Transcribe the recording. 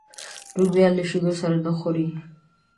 رومیان له شیدو سره نه خوري